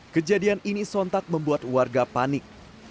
kejadian ini sontak membuat warga panik